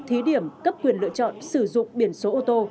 thí điểm cấp quyền lựa chọn sử dụng biển số ô tô